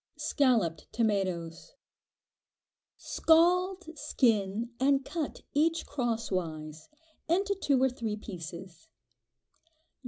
Scalloped Tomatoes. Scald, skin, and cut each crosswise, into two or three pieces.